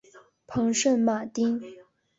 蓬圣马丁。